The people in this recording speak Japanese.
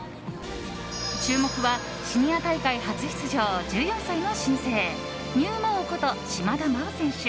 注目はシニア大会初出場となる１４歳の新星ＮＥＷＭＡＯこと島田麻央選手。